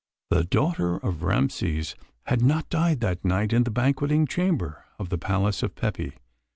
The daughter of Rameses had not died that night in the banqueting chamber of the Palace of Pepi.